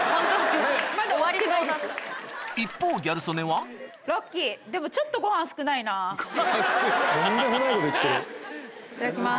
一方ギャル曽根はいただきます。